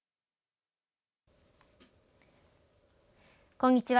こんにちは。